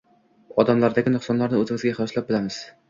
Odamlardagi nuqsonlarni o’zimizga qiyoslab bilamiz